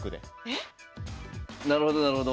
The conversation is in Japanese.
なるほどなるほど。